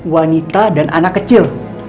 wanita dan anak kecil